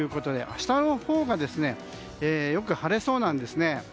明日のほうがよく晴れそうなんですね。